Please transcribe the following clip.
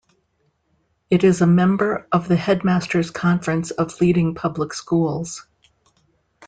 It is a member of the Headmasters' Conference of leading public schools.